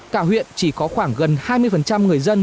cả huyện chỉ có khoảng gần hai mươi người dân